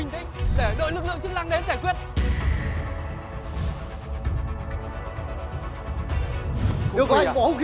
nào kung kiến l disciplede